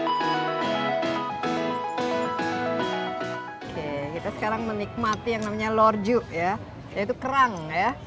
oke kita sekarang menikmati yang namanya lorju ya yaitu kerang ya